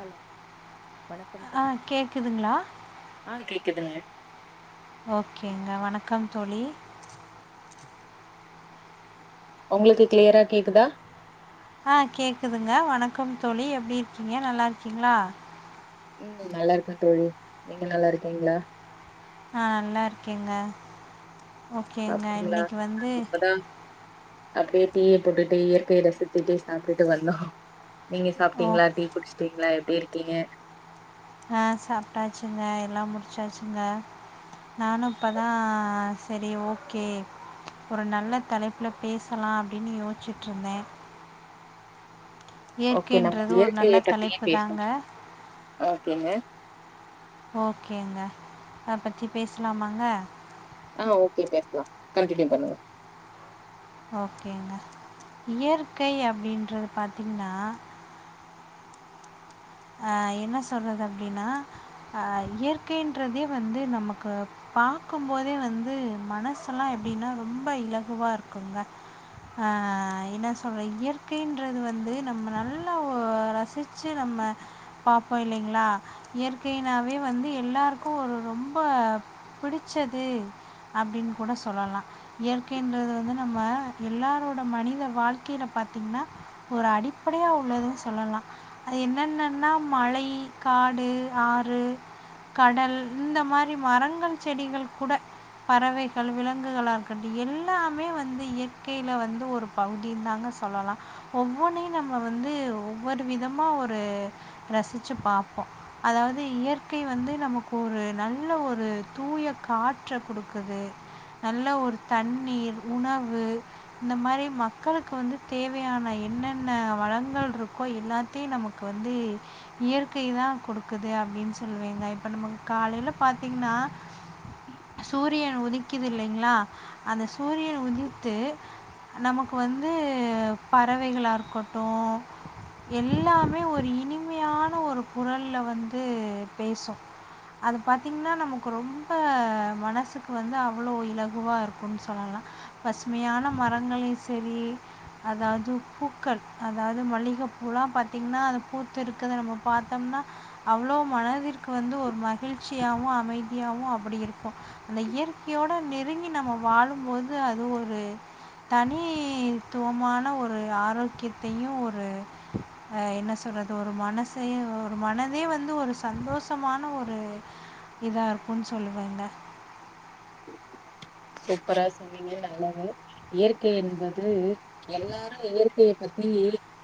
hello வணக் ஆ கேட்குதுங்ளா ஆ கேக்குதுங்க ஓகேங்க வணக்கம் தோழி உங்களுக்கு கிளியரா கேக்குதா ஆ கேக்குதுங்க வணக்கம் தோழி எப்டி இருக்கீங்க நல்லா இருக்கீங்ளா ம் நல்லா இருக்கே தோழி நீங்க நல்லா இருக்கீங்ளா ஆ நல்லா இருக்கேங்க ஓகேங்க சாப்ட்டீங்களா இன்னைக்கு வந்து இப்பதா அப்டியே டீய போட்டுட்டு இயற்கைய ரசித்திட்டு சாப்டுட்டு வந்தோ நீங்க ஓ சாப்டீங்ளா டீ குடிச்சிட்டீங்ளா எப்டி இருக்கீங்க ஆ சாப்டாச்சிங்க எல்லா முடிச்சாச்சிங்க நானு இப்ப தா செரி ஓகே ஒரு நல்ல தலைப்புல பேசலா அப்டின்னு யோசிச்சுட்டு இருந்தே ஓகே நம்ம ஏற்கின்றதோ அது நல்ல இயற்கைய பத்தியே தலைப்பு பேசலா தாங்க ஓகேங்க ஓகேங்க அத பத்தி பேசலாமாங்க ஆ ஓகே பேசலா கண்டினியூ பண்ணுங்க ஓகேங்க இயற்கை அப்டின்றது பாத்தீங்கன்னா ஆ என்ன சொல்றது அப்டின்னா ஆ இயற்கைன்றதே வந்து நமக்கு பாக்கும் போதே வந்து மனசுல்லா எப்டின்னா ரொம்ப இலகுவா இருக்குங்க ஆ என்ன சொல்ற இயற்கைன்றது வந்து நம்ம நல்லா ரசிச்சு நம்ம பாப்போ இல்லைங்களா இயற்கைனாவே வந்து எல்லாருக்கு ஒரு ரொம்ப புடிச்சது அப்டின்னு கூட சொல்லலா இயற்கையின்றது வந்து நம்ம எல்லாரோட மனித வாழ்க்கையில பாத்தீங்கன்னா ஒரு அடிப்படையா உள்ளதுன்னு சொல்லலா அது என்னன்ன என்னா மழை காடு ஆறு கடல் இந்த மாரி மரங்கள் செடிகள் கூட பறவைகள் விலங்குகளா இருக்கட்டு எல்லாமே வந்து இயற்கையில வந்து ஒரு பகுதின் தாங்க சொல்லலா ஒவ்வொன்னயு நம்ம வந்து ஒவ்வொரு விதமா ஒரு ரசிச்சி பாப்போ அதாது இயற்கை வந்து நமக்கு ஒரு நல்ல ஒரு தூய காற்ற குடுக்குது நல்ல ஒரு தண்ணீர் உணவு இந்த மாரி மக்களுக்கு வந்து தேவையான என்னென்ன வளங்கள் இருக்கோ எல்லா தி நமக்கு வந்து இயற்கைதா குடுக்குது அப்டின் சொல்லுவேங்க இப்ப நமக்கு காலைல பாத்தீங்கன்னா சூரியன் உதிக்குது இல்லைங்ளா அந்த சூரியன் உதித்து நமக்கு வந்து பறவைகளா இருக்கட்டு எல்லாமே ஒரு இனிமையான ஒரு குரல்ல வந்து பேசு அது பாத்தீங்கன்னா நமக்கு ரொம்ப மனசுக்கு வந்து அவ்ளோ இலகுவா இருக்குன் சொல்லலா பசுமையான மரங்களையு செரி அதாது பூக்கள் அதாது மல்லிகைப்பூலா பாத்தீங்கன்னா அது பூ நம்ம கிட்ட இருக்கறது நம்ம பாத்தோம்னா அவ்ளோ மனதிற்கு வந்து ஒரு மகிழ்ச்சியாவு அமைதியாவு அப்டி இருக்கு அந்த இயற்கையோட நெருங்கி நம்ம வாழும்போது அது ஒரு தனித்துவமான ஒரு ஆரோக்கியத்தையு ஒரு அ என்ன சொல்றத் அது ஒரு மனசயு ஒரு மனதயு வந்து ஒரு சந்தோஷமான ஒரு இதாயிருகுன்னு சொல்லுவேங்க சூப்பரா சொன்னீங்க நல்லது இயற்கை என்பது எல்லாரு இயற் கைய பத்தி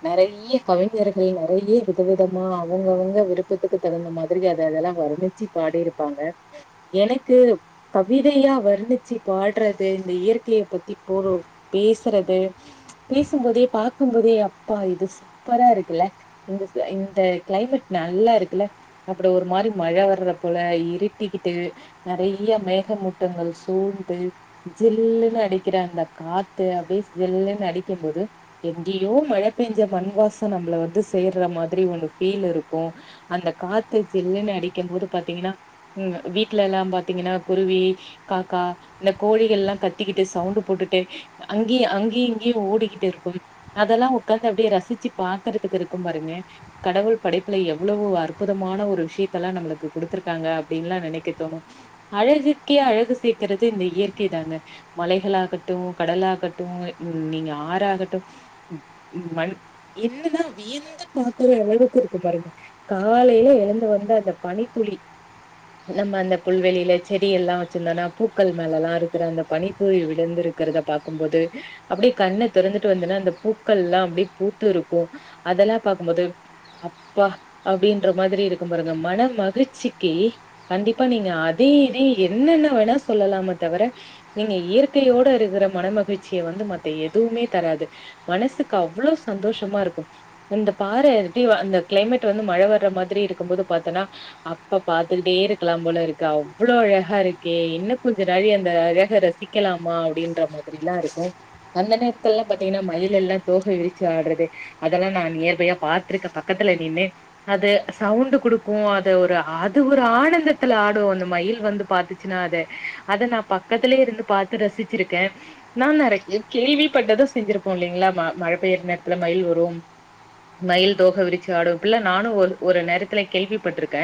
நெறைய்யா கவிஞர்கள் நெறையா விதவிதமா அவுங்கவுங்க விருப்பத்துக்கு தகுந்த மாதிரி அத அதெல்லா வர்ணி ச்சு பாடிருப்பாங்க எனக்கு கவிதையா வர்ணிச்சு பாட்றது இந்த இயற்கைய பத்தி போ [unintelligible] பேசறது பேசும்போதே பாக்குபோதே அப்பா இது சூப்பரா இருக்குல்ல இந்த ச இந்த கிளைமேட் நல்லா இருக்குல்ல அப்ரோ ஒரு மாரி மழ வர்றதபோல இருட்டிக்கிட்டு நெறையா மேகமூட்டங்கள் சூழ் ந்து ஜில்லுன்னு அடிக்கற அந்த காத்து அப்டியே ஜில்லுன்னு அடிக்குபோது எங்கயோ மழ பேஞ்ச மண்வாசோ நம்ள வந்து சேர்ற மாதிரி ஒரு ஃபீல் இருக்கு அந்த காத்து ஜில்லுன்னு அடிக்கம் போது பாத்தீங்கன்னா ம் வீட்ல எல்லா பாத்தீங்கன்னா குருவி காக்கா இந்த கோழிகள்ல்லா கத்திக்கிட்டு சவுண்டு போட்டுட்டு அங்கய அங்யு இங்யு ஓடிக்கிட்டிருக்கு அதெல்லா உக்காந்து அப்டியே ரசிச்சு பாக்கறதுக்கு இருக்கு பாருங்க கடவுள் படைப்புல எவ்ளவு அற்புதமான ஒரு விஷ்யத்தல்லா நம்ளுக்கு குடுத்துருக்காங்க அப்டின்ல்லா நெனைக்க தோணு அழகுக்கே அழகு சேக்கறத் து இந்த இயற்கை தாங்க மலைகளாகட்டு கடலாகட்டு நீங்க ஆறாகட்டு மண் என்னன்னா வியந்து பாக்கற அளவுக்கு இருக்கும் பாருங்க காலைல எழுந்து வந்தா அந்த பனித்துளி நம்ம அந்த புல்வெளில செடி எல்லா வச்சிருந்தோனா பூ பூக்கள் மேலல்லா இருக்குற அந்த பனித்துளி விழுந்திருக்கறத பாக்கு போது அப்டியே கண்ண தெறந்துட்டு வந்தன்னா அந்த பூக்கள்ல்லா அப்டியே பூத்திருக்கு அதெல்லா பாக்கும்போது அப்பா அப்டின்ற மாதிரி இருக்கு பாருங்க மன மகிழ்ச்சிக்கு கண்டிப்பா நீங்க அதை இதை என்னென்ன வேணா சொல்லலாம தவர நீங்க இயற்கையோட இருக்குற மனமகிழ்ச்சிய வந்து மத்த எதுவுமே தராது மனசுக்கு அவ்ளோ சந்தோஷமா இருக்கு இந்த பாற எப்டி அந்த கிளைமேட் வந்து மழ வர்ற மாதிரி இருக்கு போது பாத்தன்னா அப்ப பாத்துக்கிட்டே இருக்கலாம் போல இருக்கு அவ்ளோ அழகா இருக்கே இன்னு னு திராவி அந்த அழக ரசிக்கலாமா அப்டின்ற மாதிரிலா இருக்கு அந்த நேரத்துல்லா பாத்தீங்கன்னா மயிலெல்லா தோகை விரிச்சி ஆட்றது அதெல்லா நா நியர்பையா பாத்திருக்க பக்கத்துல நின்னு அது சவுண்டு குடுக்கு அத ஒரு அது ஒரு ஆனந்தத்துல ஆடு அந்த மயில் வந்து பாத்துச்சுன்னா அத அத நா பக்கத்துலே இருந்து பாத்து ரசிச்சிருக்கே நா நெறைய கேள்விப்பட்டதா செஞ்சிருப்போ இல்லேங்ளா ம மழ பெய்யற நேரத்துல மயில் வரு மயில் தோக விரிச்சு ஆடு இப்பில்லா நானு ஒரு ஒரு நேரத்துல கேள்விப்பட்ருக்க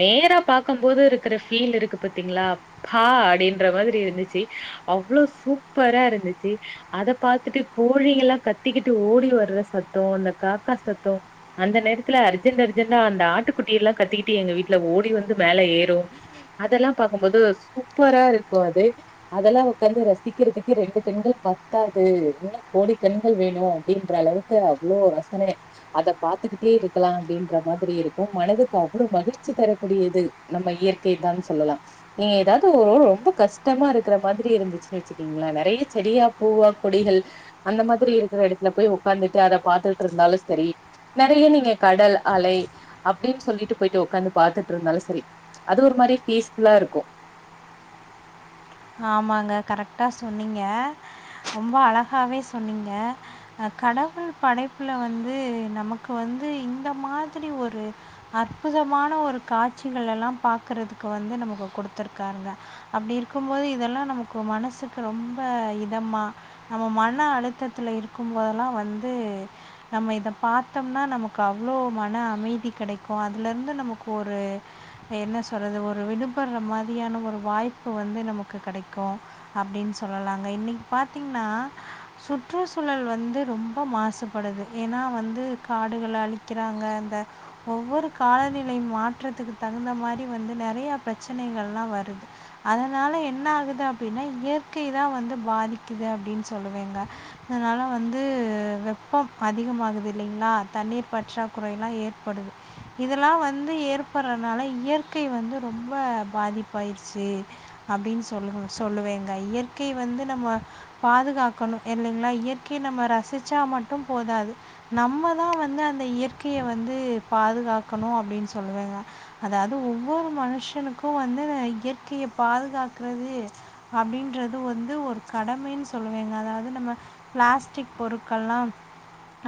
நேரா பாக்கம் போது இருக்கற ஃபீல் இருக்கு பாத்தீங்களா பா அப்டின்ற மாரி இருந்துச்சு அவ்ளோ சூப்பரா இருந்துச்சு அத பாத்துட்டு கோழியெல்லா கத்திக்கிட்டு ஓடி வர்ற சத்தோ அந்த காக்கா சத்தோ அந்த நேரத்துல அர்ஜென்ட் அர்ஜெண்டா அந்த ஆட்டுக்குட்டியெல்லா கத்திக்கிட்டு எங்க வீட்ல ஓடி வந்து மேல ஏறு அதெல்லா பாக்கும்போது சூப்பரா இருக்கு அது அதெல்லா உக்காந்து ரசிக்கறதுக்கு ரெண்டு கண்கள் பத்தாது இன்னு கோடி கண்கள் வேணு அப்டின்ற அளவுக் க்கு அவ்ளோ ரசனே அத பாத்துக்கிட்டே இருக்கலா அப்டின்ற மாதிரி இருக்கு மனதுக்கு அவ்ளோ மகிழ்ச்சி தரக்கூடியது நம்ம இயற்கை தான் சொல்லலா நீங்க எதாது ஒரு ரொம்ப கஷ்டமா இருக்கற மாதிரி இருந்துச்சுன்னு வச்சக்கீங்ளே நெறைய செடியா பூவா கொடிகள் அந்த மாதிரி இருக்கற எடத்துல போய் உக்காந்துட்டு அத பாத்துக்கிட் இருந்தாலு செரி நெறைய நீங்க கடல் அலை அப்டின் சொல்லிட்டு போயிட்டு உக்காந்து பாத்துட்டு இருந்தாலு சரி அது ஒரு மாரி பீஸ்ஃபுல்லா இருக்கு ஆமாங்க கரெக்டா சொன்னீங்க ரொம்ப அழகாவே சொன்னீங்க அ கடவுள் படைப்புல வந்து நமக்கு வந்து இந்த மாதிரி ஒரு அற்புதமான ஒரு காட்சிகள் எல்லா பாக்குறதுக்கு வந்து நமக்கு குடுத்துருக்காருங்க அப்டி இருக்கும் போது இதெல்லா நமக்கு மனசுக்கு ரொம்ப இதமா நம்ம மன அழுத்தத்துல இருக்கும்போதல்லா வந்து நம்ம இத பாத்தம்னா நமக்கு அவ்ளோ மன அமைதி கெடைக்கோ அதுல இருந்து நமக்கு ஒரு என்ன சொல்றது ஒரு விடுபடுற மாதிரியான ஒரு வாய் பு வந்து நமக்கு கடைக்கோ அப்டின்னு சொல்லலாங்க இன்னிக்கு பாத்தீங்ன்னா சுற்றுச்சூழல் வந்து ரொம்ப மாசுபடுது ஏன்னா வந்து காடுகள அழிக்கிறாங்க அந்த ஒவ்வொரு காலநிலை மாற்றத்துக்கு தகுந்த மாதிரி வந்து நெறைய பிரச்சனைகள்லா வருது அதனால என்ன ஆகுது அப்டின்னா இயற்கைதா வந்து பாதிக்குது அப்டின்னு சொல்லுவேங்க அதனால வந்து வெப்போ அதிகமாகுது இல்லைங்களா தண்ணீர் பற்றாக்குறைல்லா ஏற்படுது இதெல்லா வந்து ஏற்படுறனால இயற்கை வந்து ரொம்ப பாதிப்பாயிர்ச்சு அப்டின்னு சொல்லு சொல்லுவேங்க இயற்கை வந்து நம்ம பாதுகாக்கணு இல்லைங்களா இயற்கைய நம்ம ரசிச்சா மட்டோ போதாது நம்மதா வந்து அந்த இயற்கைய வந்து பாதுகாக்கணோ அப்டின்னு சொல்லுவங்க அதாது ஒவ்வொரு மனுஷனுக்கு வந்து இயற்கைய பாதுகாக்குறது அப்டின்றது வந்து ஒரு கடமைன்னு சொல்லுவேங்க அதாவது நம்ம பிளாஸ்டிக் பொருட்கள்லா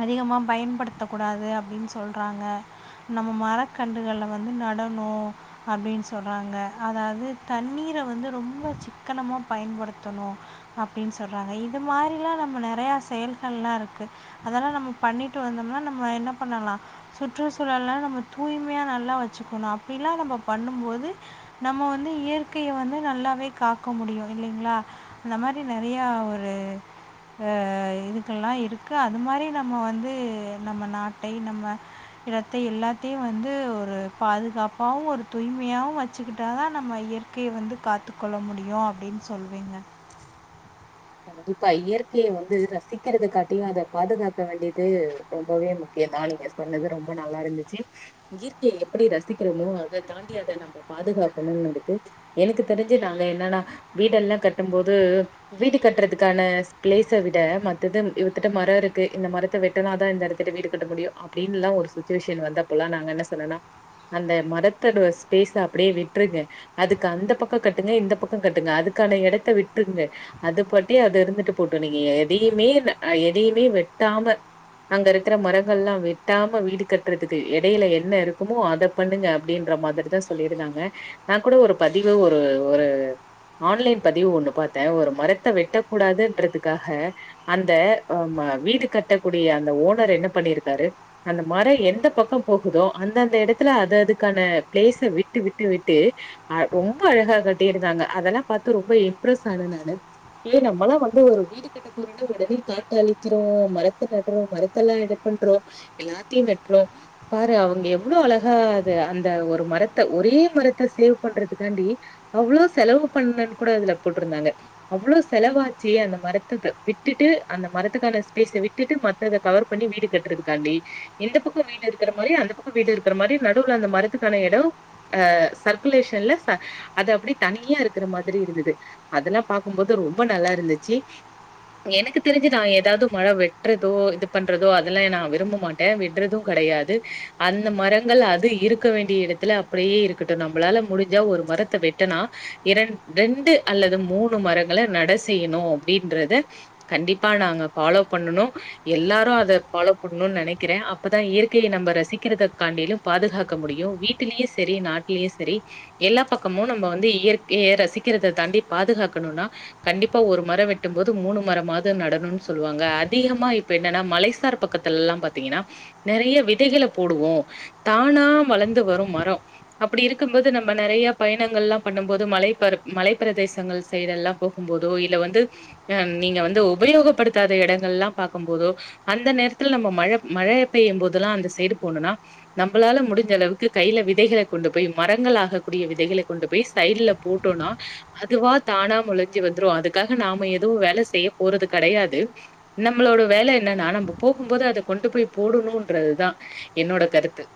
அதிகமா பயன்படுத்த கூடாது அப்டின் சொல்றாங்க நம்ம மரக்கன்றுகல வந்து நடணோ அப்டின்னு சொல்றாங்க அதாது தண்ணீர வந்து ரொம்ப சிக்கனமா பயன்படுத்தணோ அப்டின்னு சொல்றாங்க இது மாரில்லா நம்ம நெறைய செயல்கள்லா இருக்கு அதெல்லா நம்ம பண்ணிட்டு வந்தோம்னா நம்ம என்ன பண்ணலா சுற்றுச்சூழல்லா நம்ம தூய்மையா நல்லா வச்சுக்கணோ அப்டில்லா நம்ம பண்ணும் போது நம்ம வந்து இயற்கைய வந்து நல்லாவே காக்க முடியு இல்லைங்களா அந்த மாரி நெறைய ஒரு ஆ இதுக்கெல்லா இருக்கு அது மாரி நம்ம வந்து நம்ம நாட்டை நம்ம இடத்தை எல்லாத்தையு வந்து ஒரு பாதுகாப்பாவு ஒரு தூய்மையாவு வெச்சுக்கிட்டாதா நம்ம இயற்கைய வந்து காத்துக் கொள்ள முடியு அப்டின்னு சொல்வேங்க கண்டிப்பா இயற்கைய வந்து ரசிக்கிறதுக்காட்டியு அத பாதுகாக்க வேண்டியது ரொம்பவே முக் இப்டியெல்லா நீங்க சொன்னது ரொம்ப நல்லா இருந்துச்சு இயற்கைய எப்டி ரசிக்கிறதையு அத தாண்டி அத நம்ப பாதுகாக்கணுனுதுக்கு எனக்கு தெரிஞ்சு நாங்க என்னன்னா வீடெல்லா கட்டும் போது வீடு கட்றதுக்கான பிளேஸ விட மத்தது இவத்திட்டு மரோ இருக்கு இந்த மரத்த வெட்டுனாதா இந்த இடத் இங்கட்டு வீடு கட்ட முடியு அப்டின்னுலா ஒரு சுட்சுவேஷன் வந்தப்பல்லா நாங்க என்ன சொன்னோன்னா அந்த மரத்தோட ஒரு ஸ்பேஸ் அப்டியே விட்ருங்க அதுக்கு அந்த பக்கோ கட்டுங்க இந்த பக்கோ கட்டுங்க அதுக்கான எடத்த விட்டுங்க அது பட்டி அது இருந்துட்டு போட்டு நீங்க எதையுமே ன எதையுமே வெட்டாம அங்க இருக்கிற மரங்கள்லா வெட்டாம வீடு கட்றதுக்கு இடையில என்ன இருக்குமோ அத பண்ணுங்க அப்டின்ற மாதிரிதா சொல்லிருந்தாங்க நா கூட ஒரு பதிவு ஒரு ஒரு ஆன்லைன் பதிவு ஒண்ணு பாத்த ஒரு மரத்த வெட்டக் கூடாதுன்றதுக்காக அந்த ம்ம வீடு கட்டக்கூடிய அந்த ஓனர் என்ன பண்ணிருக்காரு அந்த மாரோ எந்த பக்கோ போகுதோ அந்த அந்த எடத்துல அது அதுக்கான பிளேஸ விட்டு விட்டு விட்டு அ ரொம்ப அழகா கட்டியிருந்தாங்க அதெல்லா பாத்து ரொம்ப இம்ப்ரெஸ் ஆன நானு ஏ நம்மளா வந்து ஒரு வீடு இங்க்கட்டு போறோடா ஒடனே காட்ட அழிக்கிறோ மரத்த நட்றோ மரத்தெல்லா இது பண்றோ எல்லாத்தையு வெட்றோ பாரு அவங்க எவ்ளோ அழகா அத அந்த ஒரு மரத்த ஒரே மரத்த சேவ் பண்றதுக்காண்டி அவ்ளோ செலவு பண்ணன் கூட அதுல போட்டிருந்தாங்க அவ்ளோ செலவாச்சு அந்த மரத்திக்கு விட்டுட்டு அந்த மரத்துக்கான ஸ்பேஸ விட்டுட்டு ம இந்த இத கவர் பண்ணி வீடு கட்டுறதுக்காண்டி இந்த பக்கம் வீடு இருக்கிற மாரி அந்த பக்கம் வீடு இருக்கிற மாரி நடுவுல அந்த மரத்துக்கான இடோ அ சர்க்குலேஷன்ல ச அது அப்படி தனியா இருக்கிற மாதிரி இருந்திது அதெல்லா பாக்கும்போது ரொம்ப நல்லா இருந்திச்சு எனக்கு தெரிஞ்சு நா ஏதாவது மரோ வெட்றதோ இது பண்றதோ அதெல்லா நா விரும்ப மாட் அ வெட்றது கிடையாது அந்த மரங்கள் அது இருக்க வேண்டிய இடத்துல அப்படியே இரு இங்கிட்டு நம்மளால முடிஞ்சா ஒரு மரத்த வெட்டனா இரண் ரெண்டு அல்லது மூன் று மரங்கள நட செய்யணு அப்டின்றத கண்டிப்பா நாங்க ஃபாலோ பண்ணுனு எல்லாரு அத ஃபாலோ பண்ணணும்னு நினைக்கிறே அப்பதா இயற்கைய நம்ம ரசிக்கிறதக்காண்டிலும் பாதுகாக்க முடியு வீட்டிலயு சரி நாட்டிலயு சரி எல்லா பக்கமு நம்ம வந்து இயற்கையை ரசிக்கிறத தாண்டி பாதுகாக்கணுன்னா கண்டிப்பா ஒரு மரம் வெட்டும் போது மூணு மரமாது நடணும்னு சொல்லுவாங்க அதிகமா இப்ப என்னன்னா மலைசார் பக்கத்துல எல்லா பாத்தீங்கன்னா நெறைய விதைகள போடுவோ தானா வளர்ந்து வரு மரோ அப்டி இருக்கும் போது நம்ம நறையா பயணங்கள் லா பண்ணும் போது மலை பர் மலை பிரதேசங்கள் சைடு எல்லா போகும் போதோ இல்ல வந்து அ நீங்க வந்து உபயோகப்படுத்தாத இடங்கள்லா பாக்கும் போதோ அந்த நேர்த்துல நம்ம மழ மழை பெய்யு போதுலா அந்த சைடு போணுனா நம்மளால முடிஞ்ச அளவுக்கு கையில விதைகளை கொண்டு போய் மரங்கள் ஆக கூடிய விதைகள கொண்டு போய் சைடில போட்டோனா அதுவா தானா முளஞ்சி வந்துரு அதுக்காக நாம எதுவு வேலை செய்ய போறது கிடையாது நம்மளோட வேல என்னனா நம்ப போகும் போது அத கொண்டு போய் போடணுன்றதுதா என்னோட கருத்து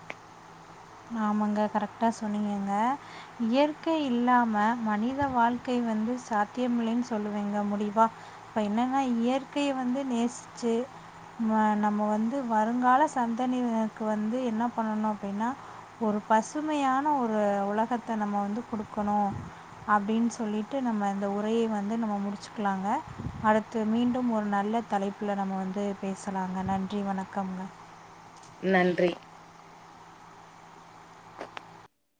ஆமாங்க கரெக்டா சொன்னீங்கங்க இயற்கை இல்லாம மனித வாழ்க்கை வந்து சாத்தியமில்லைன்னு சொல்லுவீங்க முடியுமா இப்ப என்னன்னா இயற்கைய வந்து நேசிச்சு அ நம்ம வந்து வருங்கால சந்ததினருக்கு வந்து என்ன பண்ணனு அப்படின்னா ஒரு பசுமையான ஒரு உலகத்த நம்ம வந்து கொடுக்கணு அப்டின் சொல்லிட்டு நம்ம இந்த உரையை வந்து நம்ம முடிச்சிக்கலாங்க அடுத் த மீண்டு ஒரு நல்ல தலைப்புல நம்ம வந்து பேசலாங்க நன்றி வணக்கம்ங்க நன்றி